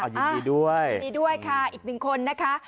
ยินดีด้วยยินดีด้วยค่ะอีกหนึ่งคนนะคะ